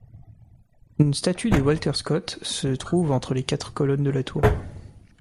Une statue de Walter Scott se trouve entre les quatre colonnes de la tour.